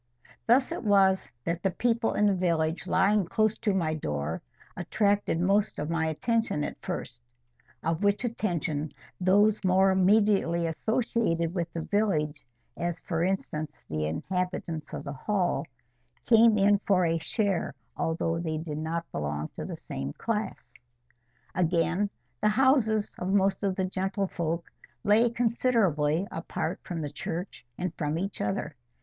Thus it was that the people in the village lying close to my door attracted most of my attention at first; of which attention those more immediately associated with the village, as, for instance, the inhabitants of the Hall, came in for a share, although they did not belong to the same class. Again, the houses of most of the gentlefolk lay considerably apart from the church and from each other.